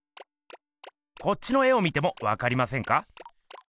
こっちの絵を見てもわかりませんか？